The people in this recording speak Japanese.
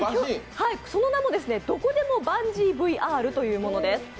その名もどこでもバンジーＶＲというものです。